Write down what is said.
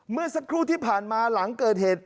เมื่อสักครู่ที่ผ่านมาหลังเกิดเหตุ